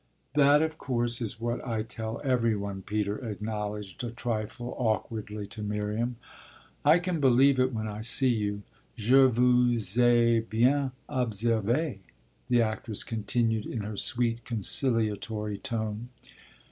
"That of course is what I tell every one," Peter acknowledged a trifle awkwardly to Miriam. "I can believe it when I see you. Je vous ai bien observée," the actress continued in her sweet conciliatory tone.